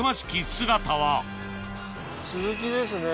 姿はスズキですね。